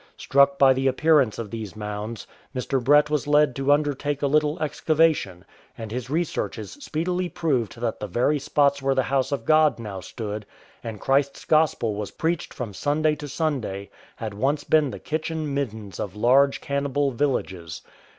Struck by the appearance of these mounds, Mr. Brett was led to undertake a little excavation ; and his researches speedily proved that the very spots where the House of God now stood and Christ's Gospel was preached from Sunday to Sunday had once been the kitchen middens of large cannibal villages.